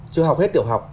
chưa học hết tiểu học